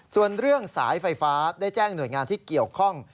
ส่วนเรื่องสายไฟฟ้าได้แจ้งหน่วยงานที่เกี่ยวข้อง